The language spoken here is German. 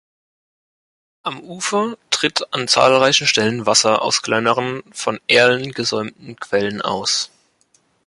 Am Ufer tritt an zahlreichen Stellen Wasser aus kleineren, von Erlen gesäumten Quellen aus.